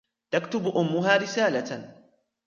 تكتب أمها رسالةً.